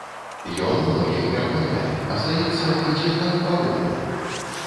Ён многіх пераганяе, а здаецца ідзе так павольна.